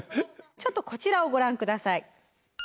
ちょっとこちらをご覧下さい。